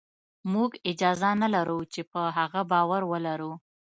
موږ اجازه نه لرو چې په هغه باور ولرو